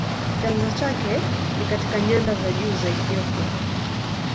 Chanzo chake ni katika nyanda za juu za Ethiopia.